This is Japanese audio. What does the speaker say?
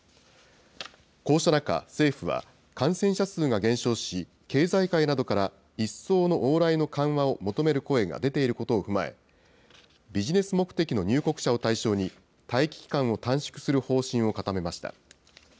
こうした中、政府は、感染者数が減少し、経済界などから一層の往来の緩和を求める声が出ていることを踏まえ、ビジネス目的の入国者を対象に、待機期間を短縮する方針を固めました。